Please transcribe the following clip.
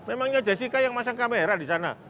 emangnya jessica yang pasang kamera di sana